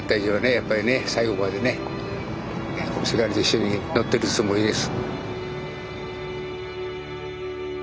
やっぱりね最後までねせがれと一緒に乗ってるつもりです。